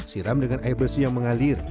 siram dengan air bersih yang mengalir